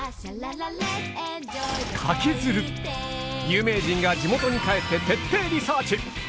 有名人が地元に帰って徹底リサーチ！